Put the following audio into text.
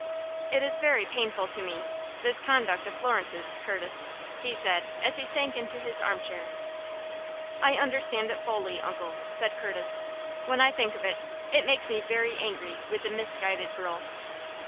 "It is very painful to me this conduct of Florence's, Curtis," he said, as he sank into his armchair. "I understand it fully, uncle," said Curtis. "When I think of it, it makes me very angry with the misguided girl."